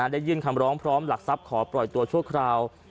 ได้ยื่นคำร้องพร้อมหลักทรัพย์ขอปล่อยตัวชั่วคราว